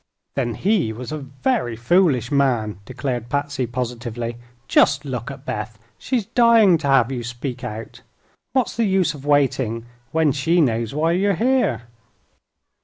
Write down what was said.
"Then he was a very foolish man," declared Patsy, positively. "Just look at Beth! She's dying to have you speak out. What's the use of waiting, when she knows why you are here?"